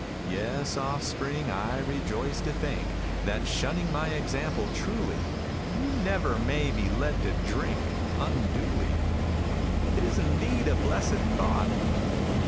Yes, Offspring, I rejoice to think That, shunning my example truly, You never may be led to drink Unduly. It is indeed a blessèd thought!